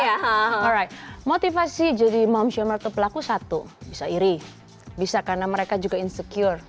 ya right motivasi jadi mom shamer itu pelaku satu bisa iri bisa karena mereka juga insecure